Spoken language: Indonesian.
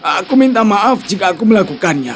aku minta maaf jika aku melakukannya